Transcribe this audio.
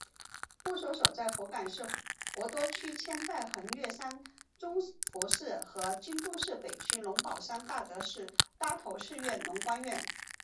墓所在福冈市博多区千代横岳山崇福寺和京都市北区龙宝山大德寺搭头寺院龙光院。